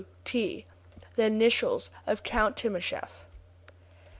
C. W. T., the initials of Count Timascheff.